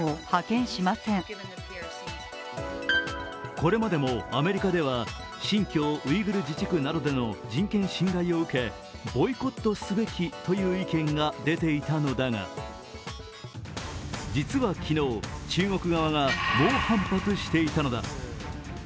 これまでもアメリカでは、新疆ウイグル自治区などでの人権侵害を受けボイコットすべきという意見が出ていたのだが、実は昨日中国側が猛反発していたのだ。